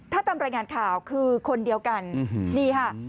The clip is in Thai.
ถ้าตามรายงานข่าวคือคนเดียวกันนี่ค่ะ